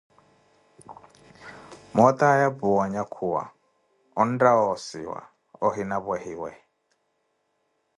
mootaya puwa onyakhuwa, ontta woosiwa ohina pwehiwe.